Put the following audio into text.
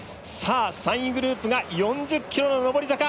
３位グループが４０ｋｍの上り坂。